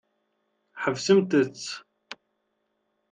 Ḥebsemt-tt.